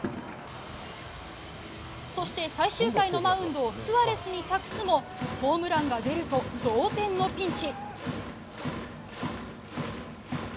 そして、最終回のマウンドをスアレスに託すもホームランが出ると同点のピンチ。